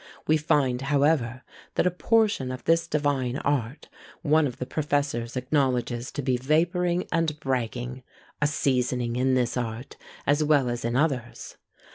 We find, however, that a portion of this divine art, one of the professors acknowledges to be vapouring and bragging! a seasoning in this art, as well as in others.